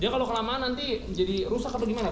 dia kalau kelamaan nanti jadi rusak atau gimana pak